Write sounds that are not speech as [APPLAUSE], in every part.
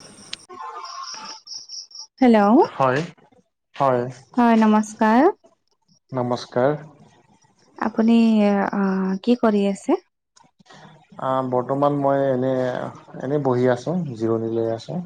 [UNINTELLIGIBLE] Hello হয় হয় হয় নমস্কাৰ। নমস্কাৰ। আপুনি আহ কি কৰি আছে? বৰ্তমান মই এনে, এনে বহি আছোঁ জিৰণি লৈ আছোঁ।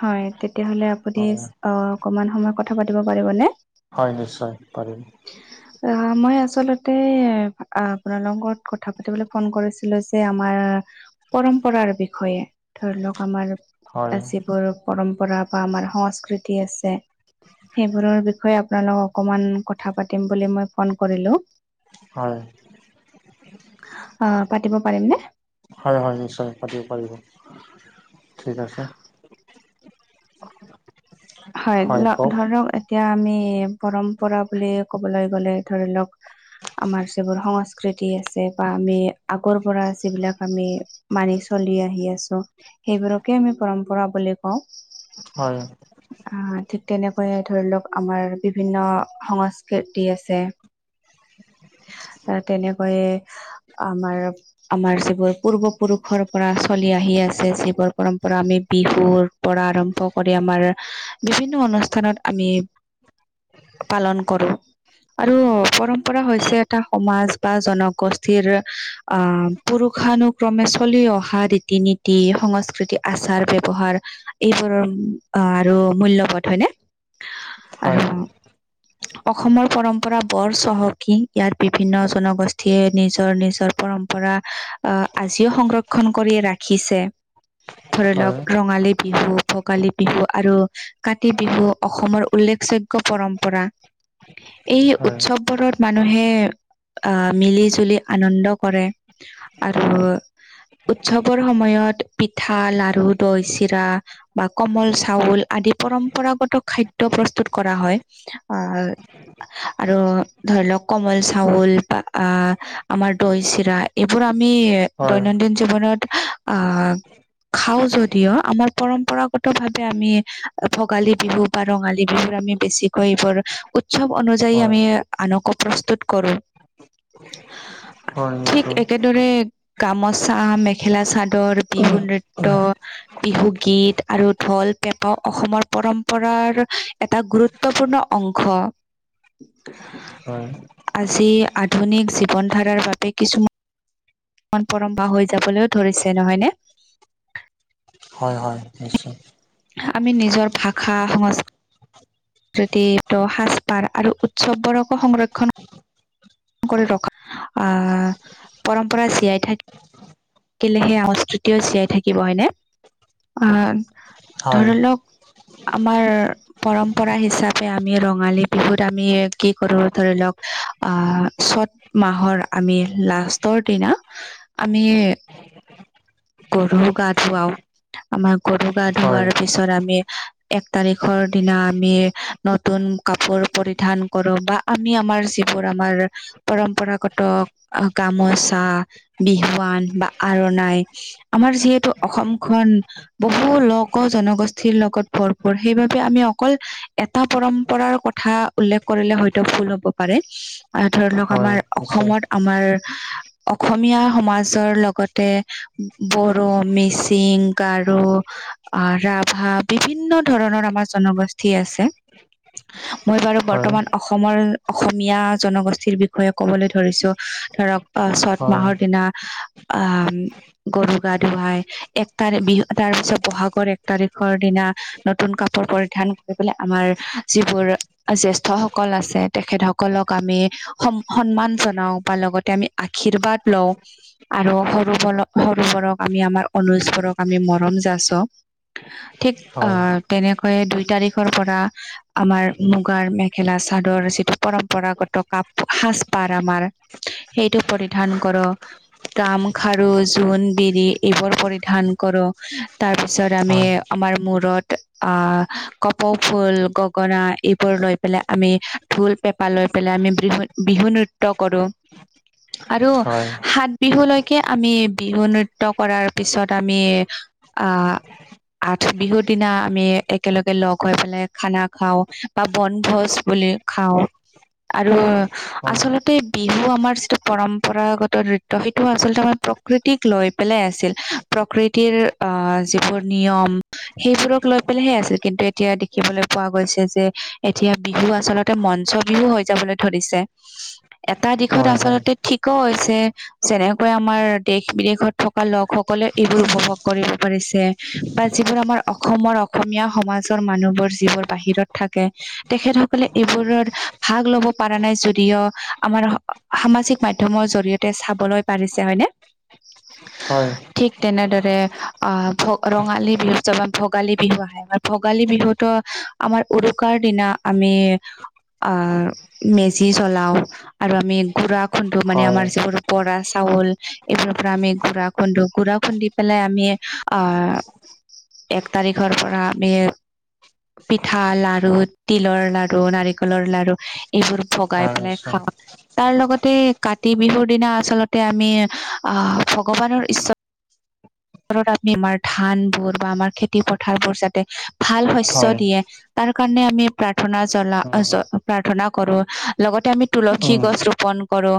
হয় তেতিয়াহ'লে আপুনি হয় অ, অকমান সময়ত কথা পাতিব পাৰিবনে? হয়, নিশ্চয় পাৰিম। অ', মই আচলতে আপোনা লগত কথা পাতিবলৈ ফোন কৰিছিলো যে আমাৰ পৰম্পৰাৰ বিষয়ে। ধৰি লওক আমাৰ, হয় যিবোৰ পৰম্পৰা বা আমাৰ সংস্কৃতি আছে। সেইবোৰৰ বিষয়ে আপোনাৰ লগত অকমান কথা পাতিম বুলি মই ফোন কৰিলো। হয়। অ' পাতিব পাৰিম নে? হয়-হয়, নিশ্চয় পাতিব পাৰিব, ঠিক আছে। [INAUDIBLE] হয়, ধৰক এতিয়া আমি পৰম্পৰা বুলি ক'বলৈ গ'লে, ধৰি লওক আমাৰ যিবোৰ সংস্কৃতি সংস্কৃতি আছে বা আমি আগৰ পৰা যিবিলাক আমি মানি চলি আহি আছো। সেইবোৰকে আমি পৰম্পৰা বুলি কওঁ। হয়। আহ, ঠিক তেনেকৈয়ে ধৰি লওক আমাৰ বিভিন্ন সংস্কৃতি আছে। [INAUDIBLE] আহ, তেনেকৈয়ে আমাৰ-আমাৰ যিবোৰ পূৰ্ব পুৰুষৰ পৰা চলি আহি আছে, যিবোৰ পৰম্পৰা আমি বিহুৰ পৰা আৰম্ভ কৰি, আমাৰ বিভিন্ন অনুষ্ঠানত আমি পালন কৰোঁ। আৰু পৰম্পৰা হৈছে এটা সমাজ বা জনগোষ্ঠীৰ আহ, পুৰুষানুক্ৰমে চলি অহা ৰীতি-নীতি, সংস্কৃতি, আচাৰ ব্যৱহাৰ এইবোৰৰ আহ, আৰু মূল্যবোধ হয়নে হয় আৰু অসমৰ পৰম্পৰা বৰ চহকী, ইয়াত বিভিন্ন জনগোষ্ঠীয়ে নিজৰ-নিজৰ পৰম্পৰা আহ, আজিও সংৰক্ষণ কৰি ৰাখিছে। ধৰি হয় লওক, ৰঙালী বিহু, ভোগালী বিহু আৰু কাতি বিহু অসমৰ উল্লেখযোগ্য পৰম্পৰা। এই হয় উৎসৱবোৰত মানুহে আহ, মিলি-জুলি আনন্দ কৰে। আৰু উৎসৱৰ সময়ত পিঠা, লাৰু, দৈ, চিৰা, কোমল চাউল আদি পৰম্পৰাগত খাদ্য প্ৰস্তুত কৰা হয়। আহ আৰু ধৰি লওক কোমল চাউল বা আহ, আমাৰ দৈ, চিৰা এইবোৰ আমি হয় দৈনন্দিন জীৱনত আহ, খাওঁ যদিও আমাৰ পৰম্পৰা গত ভাৱে আমি ভোগালী বিহু বা ৰঙালী বিহুৰ আমি বেছিকৈ এইবোৰ উৎসৱ অনুযায়ী হয় আমি আনকো প্ৰস্তুত কৰো। হয় ঠিক নিশ্চয় একেদৰে গামোচা, মেখেলা-চাদৰ, বিহু নৃত্য বিহু গীত আৰু ঢোল, পেঁপা অসমৰ পৰম্পৰাৰ এটা গুৰুত্বপূৰ্ণ অংশ। হয় আজি আধুনিক জীৱন ধাৰাৰ বাবে কিছুমান মান পৰম পাহৰি যাবলৈও ধৰিছে। নহয় নে? হয়-হয়, নিশ্চয়। আমি নিজৰ ভাষা সংস্কৃতি যদি এইটো সাজ-পাৰ আৰু উৎসৱবোৰকো সংৰক্ষণ সকল ৰখা আহ, পৰম্পৰা জীয়াই থাকি থাকিলে সেই অস্তুতিও জীয়াই থাকিব। হয়নে? হয় ধৰি হয় লওক আমাৰ পৰম্পৰা হিচাপে আমি ৰঙালী বিহুত আমি কি কৰো, ধৰি লওক আহ, চ'ত মাহৰ আমি লাষ্টৰ দিনা আমি গৰু গা ধুৱাও, আমাৰ গৰু গা ধোৱাৰ হয় পিছত আমি এক তাৰিখৰ দিনা আমি নতুন কাপোৰ পৰিধান কৰো বা আমি, আমাৰ যিবোৰ আমাৰ পৰম্পৰাগত গামোচা, বিহুৱান বা আৰনাই আমাৰ যিহেতু অসমখন বহু লক অকল জনগোষ্ঠীৰ লগত ভৰপূৰ সেইবাবে আমি অকল এটা পৰম্পৰাৰ কথা উল্লেখ কৰিলে হয়তো ভুল হব পাৰে। আৰু ধৰি লওক হয় আমাৰ নিশ্চয় অসমত আমাৰ অসমীয়া সমাজৰ লগতে বড়ো, মিচিং, গাৰো আ, ৰাভা বিভিন্ন ধৰণৰ আমাৰ জনগোষ্ঠী আছে। মই বাৰু হয় বৰ্তমান অসমৰ অসমীয়া জনগোষ্ঠীৰ বিষয়ে ক'বলৈ ধৰিছো ধৰক অ' চত হয় মাহৰ দিনা আ গৰু গা ধুৱাই এক তাৰিখ বিহু তাৰ পিছত বহাগ [UNINTELLIGIBLE] এক তাৰিখৰ দিনা নতুন কাপোৰ পৰিধান কৰিবলে আমাৰ যিবোৰ জ্যেষ্ঠ সকল আছে তেখেত সকলক আমি সন্মান জনাও বা লগতে আমি আশীৰ্বাদ লওঁ। আৰু সৰু সৰুবোৰক আমি আমাৰ অনুজ বোৰক আমি মৰম যাছোঁ। ঠিক আ হয় তেনেকৈয়ে দুই তাৰিখৰ পৰা আমাৰ মুগাৰ মেখেলা চাদৰ যিটো পৰম্পৰাগত সাজ [UNINTELLIGIBLE] আমাৰ। সেইটো পৰিধান কৰো। গামখাৰু জোন বিৰি এইবোৰ পৰিধান কৰো তাৰ পিছত পিছত আমি হয় আমাৰ মূৰত আ কপৌ ফুল গগনা এইবোৰ লৈ পেলাই আমি ঢোল পেঁপা লৈ পেলাই আমি বিহু নৃত্য কৰো। আৰু সাত বিহুলৈকে আমি বিহু নৃত্য কৰাৰ পিছত আমি আ আঠ বিহুৰ দিনা আমি একেলগে লগ হৈ পেলাই খানা খাওঁ বা বনভোজ বুলি খাওঁ। আৰু হয় আচলতে বিহু আমাৰ যিটো পৰম্পৰাগত নৃত্য সেইটো আচলতে আমাৰ প্ৰকৃতিক লৈ পেলাই আছিল প্ৰকৃতিৰ আহ যিবোৰ নিয়ম সেইবোৰক লৈ পেলেহে আছিল কিন্তু এতিয়া দেখিবলৈ পোৱা গৈছে যে এতিয়া বিহু আচলতে মঞ্চ বিহু হৈ যাবলৈ ধৰিছে এটা হয় দিশত হয় হয় আচলতে ঠিকো হৈছে। যেনেকৈ আমাৰ দেশ বিদেশত থকা লোক সকলে এইবোৰ উপভোগ কৰিব পাৰিছে। বা যিবোৰ আমাৰ অসমৰ অসমীয়া সমাজৰ মানুহবোৰ যিবোৰ বাহিৰত থাকে। তেখেতসকলে এইবোৰৰ ভাগ লব পৰা নাই যদিও আমাৰ সামাজিক মাধ্যমৰ জৰিয়তে চাবলৈ পাৰিছে হয়নে? হয়। ঠিক তেনেদৰে আ [UNINTELLIGIBLE] ৰঙালী বিহু [UNINTELLIGIBLE] ভোগালী বিহু আহে ভোগালী বিহুতো আমাৰ উৰুকাৰ দিনা আমি আহ মেজি জ্বলাও। আৰু আমি গুড়া খুন্দো মানে হয় আমাৰ [UNINTELLIGIBLE] বৰা চাউল এইবোৰৰ পৰা আমি গুড়া [UNINTELLIGIBLE] গুড়া খুন্দি পেলাই আমি আ এক তাৰিখৰ পৰা আমি পিঠা লাৰু তিলৰ লাৰু নাৰিকলৰ লাৰু এইবোৰ ভগাই হয় পেলাই নিশ্চয় খাওঁ। তাৰ লগতে কাতি বিহুৰ দিনা আচলতে আমি আহ ভগৱানৰ ৰত আমি আমাৰ ধান বোৰ বা আমাৰ খেতি পথাৰ বোৰ যাতে ভাল শস্য হয় দিয়ে। তাৰ কাৰণে আমি প্ৰাৰ্থনা কৰোঁ লগতে আমি তুলসী উম গছ ৰোপন কৰো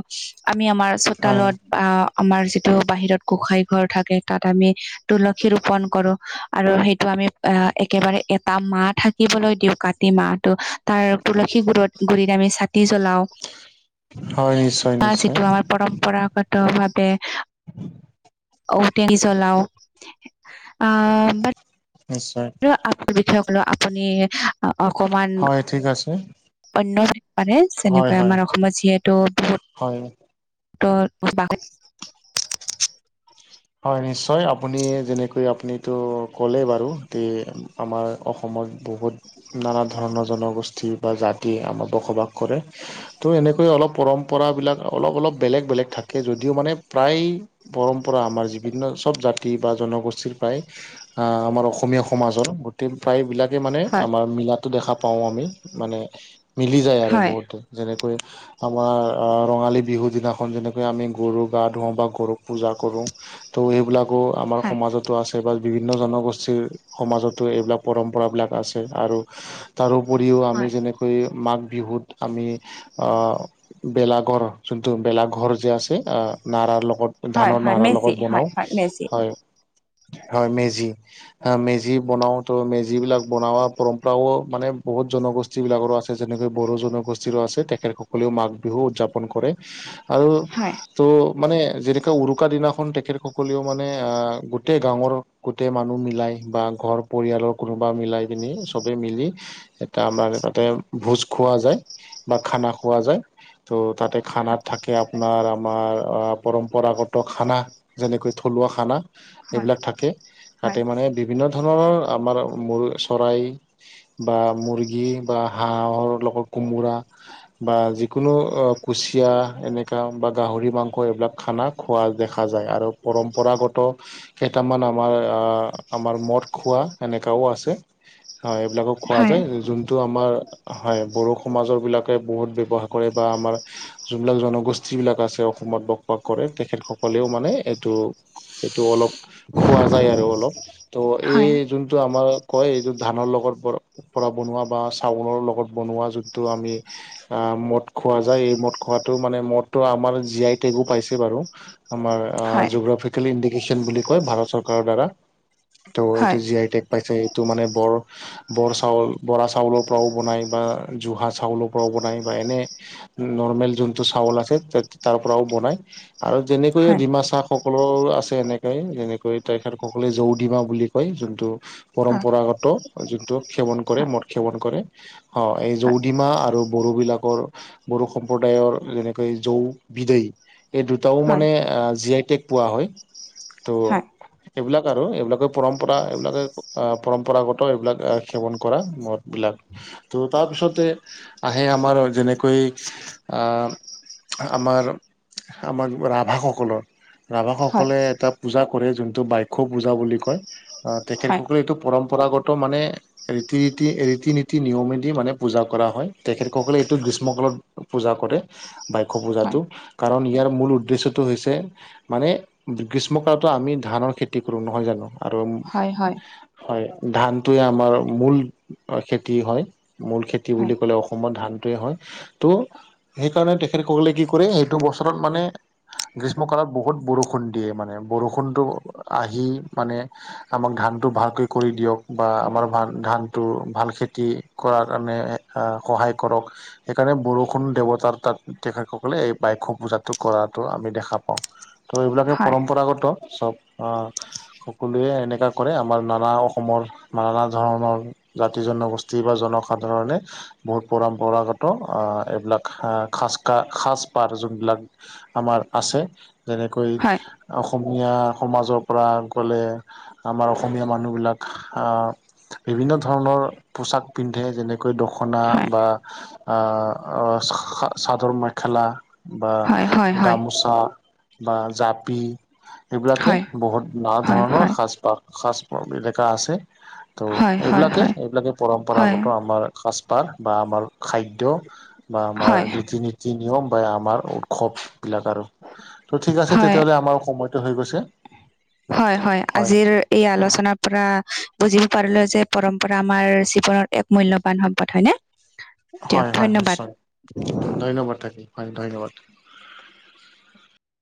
আমি আমাৰ হয় চোতালত বা আমাৰ যিটো বাহিৰত গোসাই ঘৰ থাকে তাত আমি তুলসী ৰূপন কৰো আৰু সেইটো আমি অ' একেবাৰে এটা মাহ থাক শিকিবলৈ দিওঁ কাতি মাহটো তাৰ তুলসী গুৰিত আমি চাকি জ্বলাও। হয় নিশ্চয় তাৰ নিশ্চয় যিটো আমাৰ পৰম পৰাগত ভাৱে [UNINTELLIGIBLE] [UNINTELLIGIBLE] চলাও আ বাত নিশ্চয়। [UNINTELLIGIBLE] আপুনি অকমান হয় ঠিক আছে অন্য পাৰে হয় যেনেকৈ হয় আমাৰ অসমত যিহেতু হয় বহুত [INAUDIBLE] হয়, নিশ্চয়। আপুনি যেনেকৈ- আপুনিটো ক'লে বাৰু তে আমাৰ অসমত বহুত নানা ধৰণৰ জনগোষ্ঠী বা জাতি আমাৰ বসবাস কৰে। তো এনেকৈ অলপ পৰম্পৰাবিলাক অলপ - অলপ বেলেগ - বেলেগ থাকে, যদিও মানে প্ৰায় পৰম্পৰা আমাৰ বিভিন্ন চব জাতি বা জনগোষ্ঠীৰ প্ৰায় আমাৰ অসমীয়া সমাজৰ গোটেই প্ৰায়বিলাক কে মানে হয় আমাৰ মিলাটো দেখা পাওঁ আমি, মানে মিলি যায় আৰু হয় বহুতে। যেনেকৈ আমাৰ অ'- ৰঙালী বিহুদিনাখন যেনেকৈ আমি গৰু গা ধুৱাওঁ বা গৰুক পূজা কৰোঁ, তো সেইবিলাকো আমাৰ হয় সমাজতো আছে। [UNINTELLIGIBLE] বিভিন্ন জনগোষ্ঠীৰ সমাজতো এইবিলাক পৰম্পৰাবিলাক আছে আৰু তাৰোপৰিও আমি হয় যেনেকৈ মাঘ বিহুত আমি অ' বেলাঘৰ, যোনটো বেলাঘৰ যে আছে, নাৰাৰ ল গত- হয় ধানৰ হয় নাৰাৰ লগত মেজি হয় বনাওঁ। হয় মেজি হয়। হয়, মেজি। অ' মেজি বনাওঁ, তো মেজিবিলাক বনোৱা পৰম্পৰাও মানে বহুত জনগো ষ্ঠীবিলাকৰো আছে, যেনেকৈ বড়ো জনগোষ্ঠীৰো আছে। তেখেতসকলেও মাঘ বিহু উদযাপন কৰে। আৰু হয় তো মানে যেনেকৈ উৰুকা দিনা তেখেতসকলেও মানে অ'- গোটেই গাঁৱৰ গোটেই মানুহ মিলাই বা ঘৰ পৰিয়ালৰ কোনোবা মিলাই কেনি চবে মিলি এটা আমাৰ তাতে ভোজ খোৱা যায় বা খানা খোৱা যায়। তো তাতে খানাত থাকে আপোনাৰ আমাৰ অ'- পৰম্পৰাগত খানা। যেনেকৈ থলুৱা খানা। হয় সেইবিলাক থাকে। হয় তাতে মানে বিভিন্ন ধৰণৰ আমাৰ মুল চৰাই বা মুৰ্গী বা হাঁহৰ লগত কোমোৰা, বা যিকোনো অ'- কুচিয়া এনেকা বা গাহৰি মাংস এইবিলাক খানা খোৱা দে খা যায়। আৰু পৰম্পৰাগত কেইটামান আমাৰ অ'- আমাৰ মদ খোৱা এনেকাও আছে। হয়, এইবিলাকক খোৱা হয় যায়, যোনটো আমাৰ হয়, বড়ো সমাজৰবিলাকে বহুত ব্যৱহাৰ কৰে বা আমাৰ যোনবিলাক জনগোষ্ঠীবিলাক আছে অসমত বসবাস কৰে, তেখেতসকলেও মানে এইটো এইটো অলপ খোৱা যায় আৰু অলপ। তো হয় এই হয় যোনটো আমাৰ কয়, এইটো ধানৰ লগত পৰা বনোৱা বা চাউলৰ লগত বনোৱা যোনটো আমি অ'- মদ খোৱা যায়, এই মদ খোৱাটোও মানে মদটো আমাৰ জি আই টেগো পাইছে বাৰু। আমাৰ অ'- জোগ্ৰাফিকেল ইণ্ডিকেশ্যন বুলি কয়, ভাৰত চৰকাৰৰ দ্বাৰা। তো এইটো জি আই টেগ পাইছে। এইটো মানে বৰ বৰ চাউল- বৰা চাউলৰ পৰাও বনায় বা জোহা চাউলৰ পৰাও বনায় বা এনে নৰ্মেল যোনটো চাউল আছে, তা- তাৰ পৰাও বনায়। আৰু যেনে কৈয়ে ডিমাছাসকলৰো আছে এনেকে। যেনেকৈ তেখেতসকলে জৌ ডিমা বুলি কয়, যোনটো পৰম্পৰাগত যোনটো সেৱন কৰে, মদ সেৱন কৰে। অ' এই জৌ ডিমা আৰু বড়োবিলাকৰ বড়ো সম্প্ৰদায়ৰ যেনেকৈ জৌ বিদৈ। এই দুটাও হয় মানে অ'- জি আই টেগ পোৱা হয়। তো হয় এইবিলাক আৰু, এইবিলাকে পৰম্পৰা। এইবিলাকে অ'- পৰম্পৰাগত এইবিলাক অ'- সেৱন কৰা মদ বিলাক। তো তাৰপিছতে আহে আমাৰ যেনেকৈ অ'- অ'- আমাৰ- আমাৰ ৰাভাস কলৰ। ৰাভাসকলে এটা পূজা কৰে, যোনটো বাইখো পূজা বুলি কয়। অ' হয় তেখেতসকলে এইটো পৰম্পৰাগত মানে ৰীতি - ৰীতি- ৰীতি - নীতি নিয়মেদি মানে পূজা কৰা হয়। তেখেতসকলে এইটো গ্ৰীষ্ম কালত পূজা কৰে, বাইখো পূজাটো। কাৰণ ইয়াৰ মূল উদ্দেশ্য হৈছে মানে গ্ৰীষ্মকালতো আমি ধানৰ খেতি কৰোঁ নহয় জানো। আৰু হয় ধানটোৱে আমাৰ মূল- খেতি হয়, মূল খেতি বুলি ক'লে অসমত ধানটোৱেই হয়। ত'- সেইকাৰণে তেখেতসকলে কি কৰে সেইটো বছৰত মানে- গ্ৰীষ্ম কালত বহুত বৰষুণ দিয়ে মানে বৰষুণতটো আহি মানে- আমাক ধানটো ভালকৈ কৰি দিয়ক বা আমাৰ ধানটো ভাল খেতি- কৰাৰ কাৰণে সহায় কৰক। সেইকাৰণে বৰষুণ দেৱতাৰ তাত তেখেতসকলে এই বাইথও পূজাতটো কৰা- আমি দেখা পাওঁ। ত' এইবিলাকে হয় পৰম্পৰাগত চব আহ- সকলোৱে এনেকুৱা কৰে আমাৰ নানা অসমৰ নানা ধৰণৰ- জাতি জনগোষ্ঠী বা জনসাধাৰণে- বহুত পৰম্পৰাগত এইবিলাক খাজকা সাজপাৰ যোনবিলাক- আমাৰ আছে যেনেকৈ- হয় অসমীয়া সমাজৰ পৰা গ'লে, আমাৰ অসমীয়া মানুহবিলাক আঁ- বিভিন্ন ধৰণৰ পোচাক পিন্ধে যেনেকে- দখনা বা আহ চাদৰ মেখেলা। বা হয় হয় হয় হয় গামোচা বা জাপি। এইবিলাকে বহুত নানা হয় হয় ধৰণৰ সাজপাৰ সাজ এলেকা আছে। হয় ত' হয় হয় হয় হয় এইবিলাকে হয় এইবিলাকে পৰম্পৰাগত আমাৰ সাজপাৰ বা আমাৰ খাদ্য। বা আমাৰ হয় ৰীতি নীতি নিয়ম বা আমাৰ উৎসৱবিলাক আৰু। ত' ঠিক আছে হয় তেতিয়াহলে আমাৰ সময়টো হৈ গৈছে। হয় হয় আজিৰ। এই আলোচনাৰ পৰা বুজিব পাৰিলো যে পৰম্পৰা আমাৰ জীৱনৰ এক মূল্যবান সম্পদ হয়নে। [INAUDIBLE] হয় হয় ধন্যবাদ। নিশ্চয় ধন্যবাদ থাকিল হয় ধন্যবাদ।